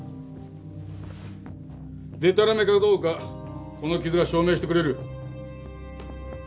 でたらめかどうかこの傷が証明してくれる。